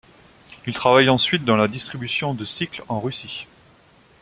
Il travaille ensuite dans la distribution de cycles en Russie.